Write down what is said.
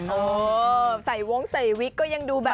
เออใส่วงใส่วิกก็ยังดูแบบ